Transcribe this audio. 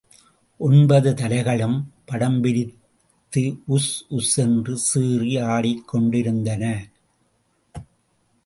ஒன்பது தலைகளும் படம் விரித்து உஸ், உஸ் ஸென்று சீறி ஆடிக்கொண்டிருந்தன.